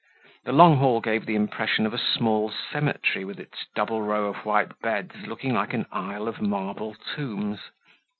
The long hall gave the impression of a small cemetery with its double row of white beds looking like an aisle of marble tombs.